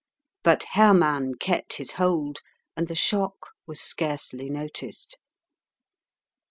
But Herrmann kept his hold, and the shock was scarcely noticed.